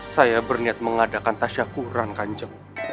saya berniat mengadakan tasyakuran kanjeng